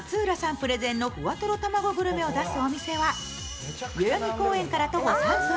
プレゼンのふわとろ卵グルメを出すお店は代々木公園から徒歩３分。